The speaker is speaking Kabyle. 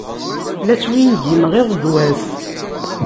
La swingimeɣ iḍ d wass.